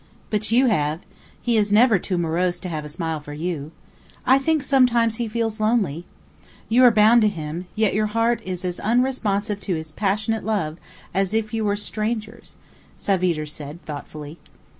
"But you have. He is never too morose to have a smile for you. I think, sometimes, he feels lonely. You are bound to him, yet your heart is as unresponsive to his passionate love as if you were strangers," Savitre said, thoughtfully.